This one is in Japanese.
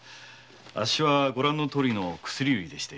ご覧のとおりの薬売りでして。